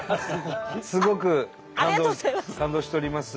すごく感動しております。